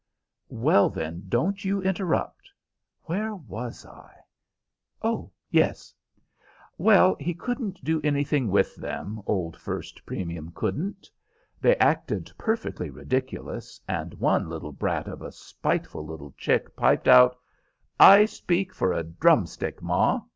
"Well, then, don't you interrupt. Where was I? Oh yes." Well, he couldn't do anything with them, old First Premium couldn't. They acted perfectly ridiculous, and one little brat of a spiteful little chick piped out, "I speak for a drumstick, ma!"